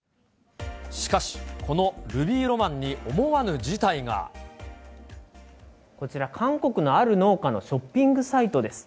しかし、このルビーロマンにこちら、韓国のある農家のショッピングサイトです。